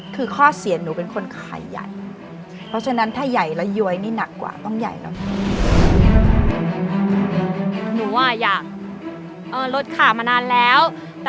คือข้อเสียหนูเป็นคนขายใหญ่เพราะฉะนั้นถ้าใหญ่แล้วยวยนี่หนักกว่าต้องใหญ่แล้ว